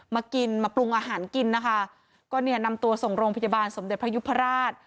มากินมาปรุงอาหารกินนะคะก็เนี่ยนำตัวส่งโรงพยาบาลสมเด็จพระยุพราช